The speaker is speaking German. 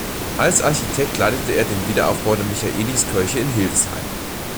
Als Architekt leitete er den Wiederaufbau der Michaeliskirche in Hildesheim.